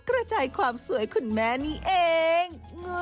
กระจายความสวยคุณแม่นี่เอง